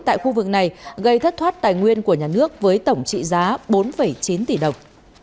tại khu vực này gây thất thoát tài nguyên của nhà nước với tổng trị giá bốn chín tỷ đồng